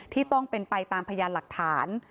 ที่ต้องเป็นไปตามพยานหลักฐาน